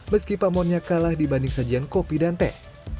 meski pamonnya kalah dibanding sajian kopi dan teh